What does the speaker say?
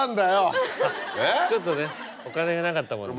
ちょっとねお金がなかったもんで。